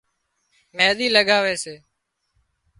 مينۮِي لڳاوي سي